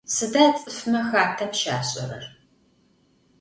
Сыда цӏыфмэ хатэм щашӏэрэр?